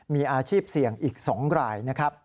มีอาชีพเสี่ยงอีก๒ราย